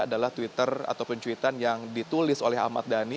adalah twitter atau pencuitan yang ditulis oleh ahmad dhani